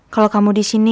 kalau kamu disini